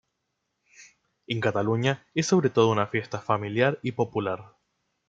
En Cataluña es sobre todo una fiesta familiar y popular.